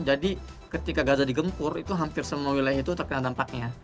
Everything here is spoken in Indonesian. jadi ketika gaza digempur itu hampir semua wilayah itu terkena dampaknya